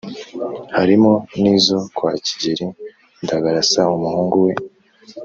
harimo n’izo kwa Kigeli Ndabarasa umuhungu we